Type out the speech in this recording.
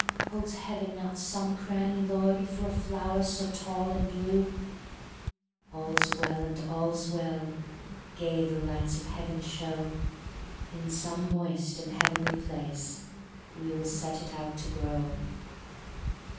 "Holds Heaven not some cranny, Lord, For a flower so tall and blue?" All's well and all's well! Gay the lights of Heaven show! In some moist and Heavenly place We will set it out to grow.